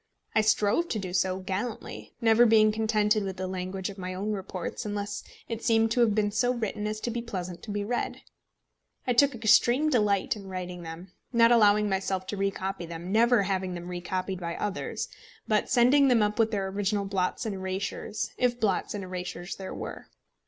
I strove to do so gallantly, never being contented with the language of my own reports unless it seemed to have been so written as to be pleasant to be read. I took extreme delight in writing them, not allowing myself to re copy them, never having them re copied by others, but sending them up with their original blots and erasures, if blots and erasures there were.